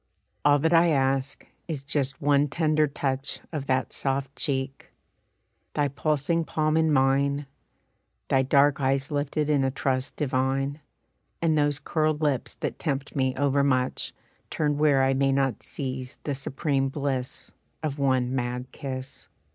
"All that I ask, is just one tender touch Of that soft cheek. Thy pulsing palm in mine, Thy dark eyes lifted in a trust divine And those curled lips that tempt me overmuch Turned where I may not seize the supreme bliss Of one mad kiss.